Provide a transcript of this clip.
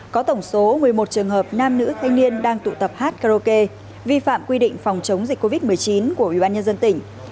có tổng số một mươi một trường hợp nam nữ thanh niên đang tụ tập hát karaoke vi phạm quy định phòng chống dịch covid một mươi chín của ubnd tỉnh